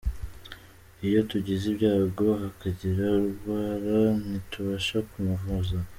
Iyo tugize ibyago hakagira urwara ntitubasha kumuvuza.